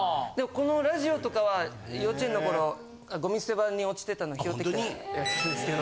このラジオとかは幼稚園の頃ゴミ捨て場に落ちてたの拾ってきたやつですけど。